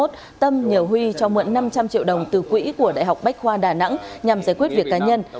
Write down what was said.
tâm nhờ huy cho mượn năm trăm linh triệu đồng từ quỹ của đại học bách khoa đà nẵng nhằm giải quyết việc cá nhân